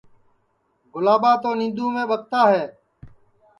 گُلاٻا تو نینٚدُؔوم ٻکتا ہے